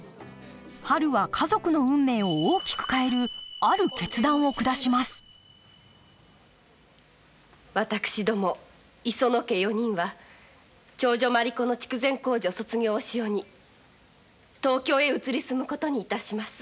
はるは家族の運命を大きく変えるある決断を下します私ども磯野家４人は長女マリ子の筑前高女卒業を潮に東京へ移り住むことにいたします。